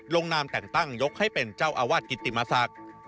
ลงนามแต่งตั้งยกให้เป็นเจ้าอาวาสกิติมศักดิ์